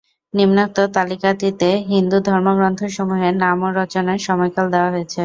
নিম্নোক্ত তালিকাটিতে হিন্দু ধর্মগ্রন্থ সমূহের নাম ও রচনার সময়কাল দেয়া হয়েছে।